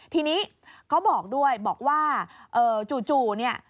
ทีนี้เขาบอกด้วยบอกว่าจู่เนี่ย